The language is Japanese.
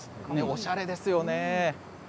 おしゃれですよね。